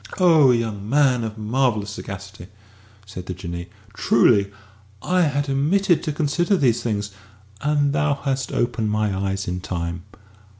"O young man of marvellous sagacity!" said the Jinnee; "truly I had omitted to consider these things, and thou hast opened my eyes in time.